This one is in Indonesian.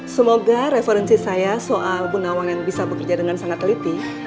semoga referensi saya soal bu nawang yang bisa bekerja dengan sangat elitih